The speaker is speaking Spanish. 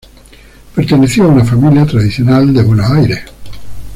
Perteneció a una familia tradicional de Buenos Aires.